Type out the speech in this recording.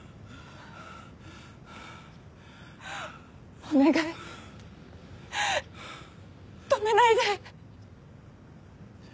お願い止めないで！